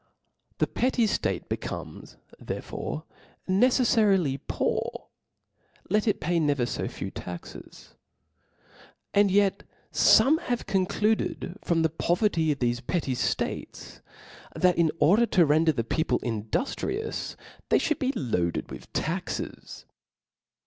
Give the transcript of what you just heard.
The petty ftate becomes therefore necefiarily poor, let it pay never fo few taxes. Ahd yet fome have concluded from the po* verty of thofe petty ftates, that in order to render the people induftrious, they ftiotild be loac^ed with taxes.